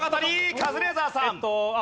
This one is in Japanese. カズレーザーさん。